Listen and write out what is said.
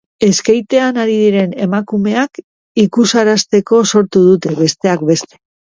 Skatean ari diren emakumeak ikusarazteko sortu dute, besteak beste.